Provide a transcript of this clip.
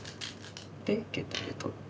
でゲタで取って。